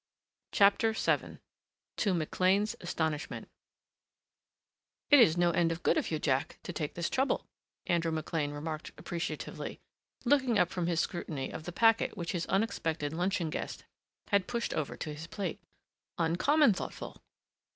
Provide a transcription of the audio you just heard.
CHAPTER VII TO McLEAN'S ASTONISHMENT "It is no end of good of you, Jack, to take this trouble," Andrew McLean remarked appreciatively, looking up from his scrutiny of the packet which his unexpected luncheon guest had pushed over to his plate. "Uncommon thoughtful.